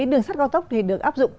đường sắt cao tốc được áp dụng